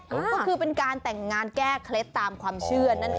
ก็คือเป็นการแต่งงานแก้เคล็ดตามความเชื่อนั่นเอง